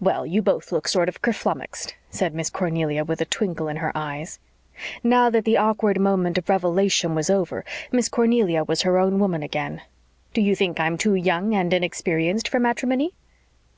"Well, you both look sort of kerflummexed," said Miss Cornelia, with a twinkle in her eyes. Now that the awkward moment of revelation was over, Miss Cornelia was her own woman again. "Do you think I'm too young and inexperienced for matrimony?"